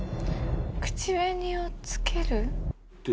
口紅をつける。